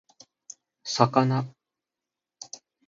魚